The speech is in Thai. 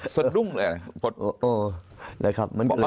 สะดุ้งเลยนะ